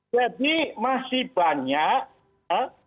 jadi masih banyak ya